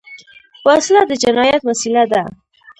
وسله د جنايت وسیله ده